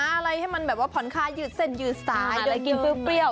อะไรให้มันแบบว่าผ่อนคายืดเส้นยืดสายเดินกินเปรี้ยว